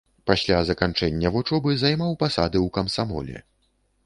Пасля заканчэння вучобы займаў пасады ў камсамоле.